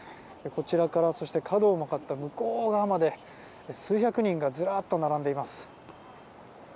こちらから角を曲がった向こう側まで数百人がずらっと並んでいます。